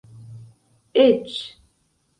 eĉ